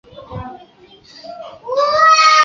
美国战略司令部是国防部十大统一指挥部之一。